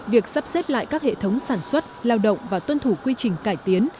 việc sắp xếp lại các hệ thống sản xuất lao động và tuân thủ quy trình cải tiến